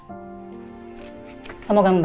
ini saya buatkan resep ya